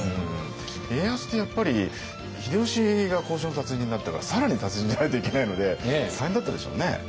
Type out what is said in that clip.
家康ってやっぱり秀吉が交渉の達人だったから更に達人じゃないといけないので大変だったでしょうね。